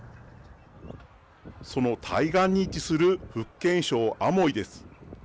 その対岸に位置する福建省アモイです。